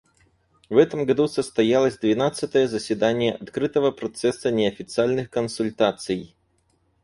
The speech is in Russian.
В этом году состоялось двенадцатое заседание Открытого процесса неофициальных консультаций.